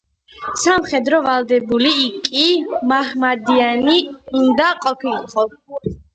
სამხედრო ვალდებული კი მაჰმადიანი უნდა ყოფილიყო.